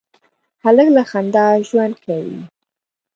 هلک له خندا ژوند کوي.